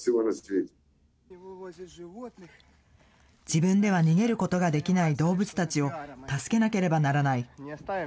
自分では逃げることができない動物たちを助けなければならない。